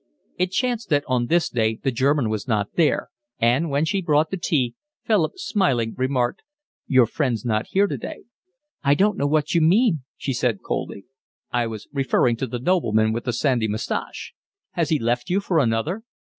It chanced that on this day the German was not there, and, when she brought the tea, Philip, smiling, remarked: "Your friend's not here today." "I don't know what you mean," she said coldly. "I was referring to the nobleman with the sandy moustache. Has he left you for another?"